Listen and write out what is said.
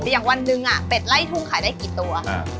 อย่างวันหนึ่งเป็ดไล่ทุ่งขายได้กี่ตัว